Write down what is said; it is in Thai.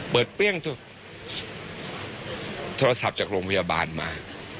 เปิดเพลี่ยงโทรศัพท์จากโรงพยาบาลมา